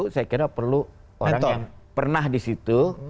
saya kira perlu orang yang pernah di situ